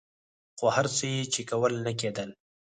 خو هر څه یې چې کول نه کېدل.